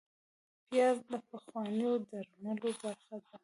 پیاز د پخوانیو درملو برخه وه